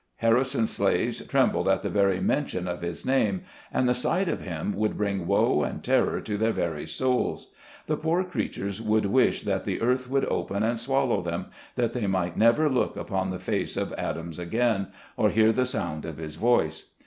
Harrison's slaves trembled at the very men tion of his name, and the sight of him would bring woe and terror to their very souls ; the poor crea tures would wish that the earth would open and swallow them, that they might never look upon the face of Adams again, or hear the sound of his voice.